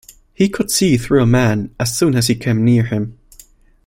He could see through a man as soon as he came near him.